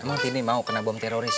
emang kini mau kena bom teroris